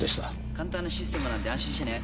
簡単なシステムなんで安心してね。